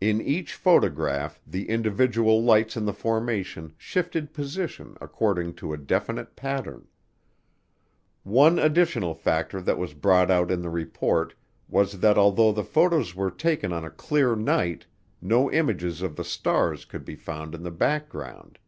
In each photograph the individual lights in the formation shifted position according to a definite pattern. One additional factor that was brought out in the report was that although the photos were taken on a clear night no images of the stars could be found in the background.